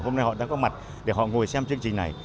hôm nay họ đã có mặt để họ ngồi xem chương trình này